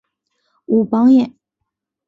武榜眼。